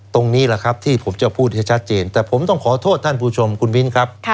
ตรงนี้แหละครับที่ผมจะพูดให้ชัดเจนแต่ผมต้องขอโทษท่านผู้ชมคุณมิ้นครับ